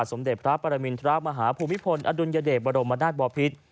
สมเด็จพระปรมินทรมาฮภูมิพลอดุลยเดชบรมนาศบอพิษ